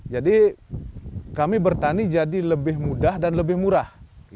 jadi kami bertani jadi lebih mudah dan lebih murah